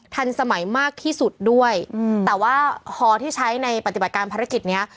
ทันสมัยมากที่สุดด้วยแต่ว่าฮอที่ใช้ในปฏิบัติการภารกิจเนี้ย